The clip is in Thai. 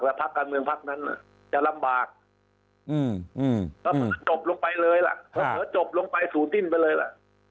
แล้วพักการเมืองพักนั้นจะลำบากก็เผลอจบลงไปเลยล่ะก็เผลอจบลงไปสูติ้นไปเลยล่ะ